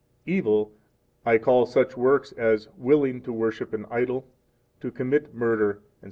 "Evil" 7 I call such works as willing to worship an idol, to commit murder, etc.